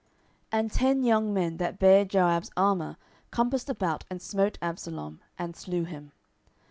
10:018:015 And ten young men that bare Joab's armour compassed about and smote Absalom, and slew him.